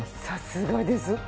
さすがです。